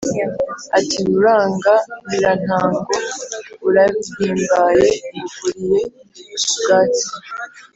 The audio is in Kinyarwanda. Ati : Murangamirantango, urampimbaye, ngukuriye ubwatsi